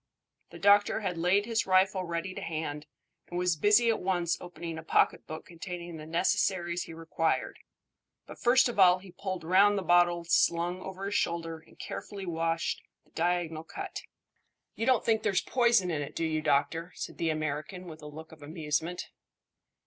The doctor had laid his rifle ready to hand, and was busy at once opening a pocket book containing the necessaries he required; but first of all he pulled round the bottle slung over his shoulder and carefully washed the diagonal cut. "You don't think there's poison in it, do you, doctor?" said the American, with a look of amusement.